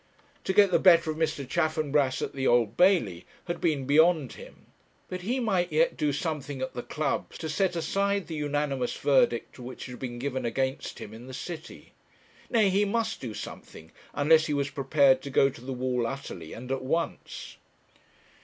To get the better of Mr. Chaffanbrass at the Old Bailey had been beyond him; but he might yet do something at the clubs to set aside the unanimous verdict which had been given against him in the city. Nay, he must do something, unless he was prepared to go to the wall utterly, and at once.